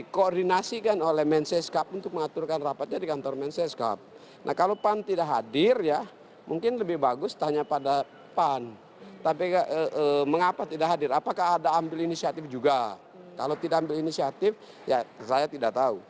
kalau tidak ambil inisiatif juga kalau tidak ambil inisiatif ya saya tidak tahu